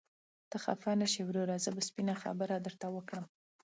ته خفه نشې وروره، زه به سپينه خبره درته وکړم.